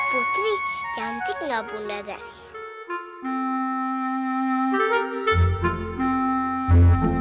putri cantik gak bunda dais